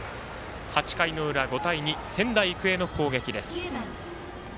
８回の裏５対２、仙台育英の攻撃です。